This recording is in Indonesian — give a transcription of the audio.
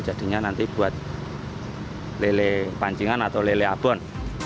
jadinya nanti buat lele pancingan atau lele abon